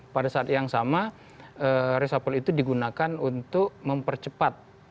pada saat yang sama resapel itu digunakan untuk mempercepat